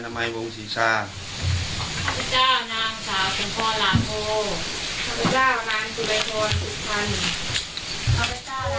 นางสาวคุณพ่อ